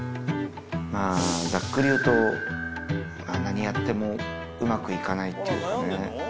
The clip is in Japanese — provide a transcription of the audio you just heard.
まあざっくり言うと何やってもうまくいかないっていうかね。